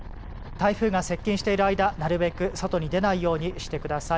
台風が接近している間なるべく外に出ないようにしてください。